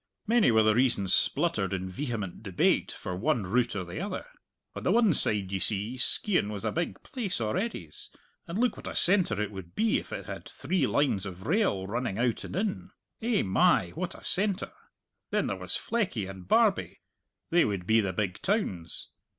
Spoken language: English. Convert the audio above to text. Many were the reasons spluttered in vehement debate for one route or the other. "On the one side, ye see, Skeighan was a big place a'readys, and look what a centre it would be if it had three lines of rail running out and in! Eh, my, what a centre! Then there was Fleckie and Barbie they would be the big towns!